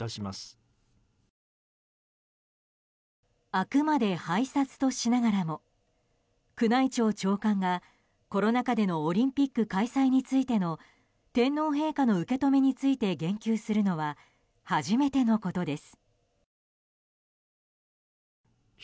あくまで拝察としながらも宮内庁長官が、コロナ禍でのオリンピック開催についての天皇陛下の受け止めについて言及するのは初めてのことです。